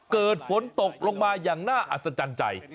เกิดฝนตกลงมาอย่างน่าอัศจรรย์ใจ